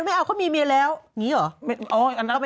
ไม่เอาเขามีเมียแล้วอย่างนี้เหรอ